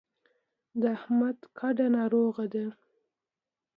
د احمد کډه ناروغه ده.